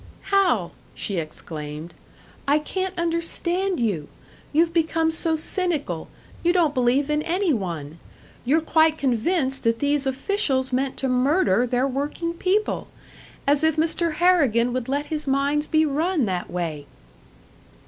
"Hal," she exclaimed, "I can't understand you! You've become so cynical, you don't believe in any one! You're quite convinced that these officials meant to murder their working people! As if Mr. Harrigan would let his mines be run that way!"